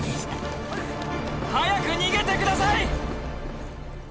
早く逃げてください！